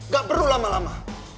gak perlu lama lama